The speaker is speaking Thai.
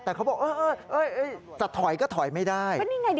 แต่เขาบอกเออเออเออจะถอยก็ถอยไม่ได้เป็นยังไงดิ